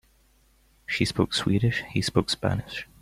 She spoke Swedish, he spoke Spanish.